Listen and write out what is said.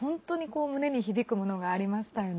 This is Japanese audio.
胸に響くものがありましたよね。